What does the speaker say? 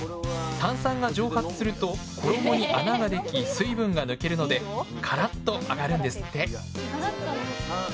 炭酸が蒸発すると衣に穴ができ水分が抜けるのでカラッと揚がるんですって！